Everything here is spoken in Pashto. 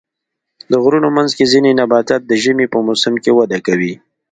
د غرونو منځ کې ځینې نباتات د ژمي په موسم کې وده کوي.